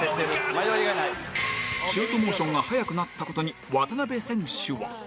迷いがない」シュートモーションが速くなった事に渡邊選手は